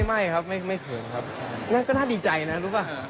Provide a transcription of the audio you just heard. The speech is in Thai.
ไม่ครับไม่เขินครับนั่นก็น่าดีใจนะรู้ป่ะ